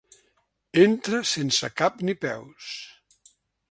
Entra sense cap ni peus.